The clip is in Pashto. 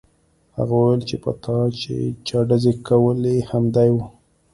هغې وویل په تا چې چا ډزې کولې همدی و